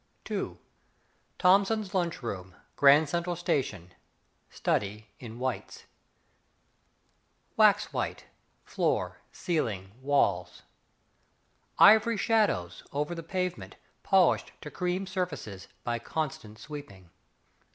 II Thompson's Lunch Room Grand Central Station Study in Whites Wax white Floor, ceiling, walls. Ivory shadows Over the pavement Polished to cream surfaces By constant sweeping.